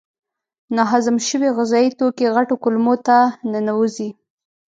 ناهضم شوي غذایي توکي غټو کولمو ته ننوزي.